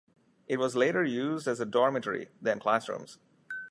It was later used as a dormitory, then classrooms.